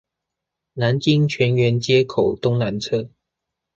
南京泉源街口東南側